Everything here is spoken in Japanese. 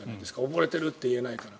溺れてる！って言えないから。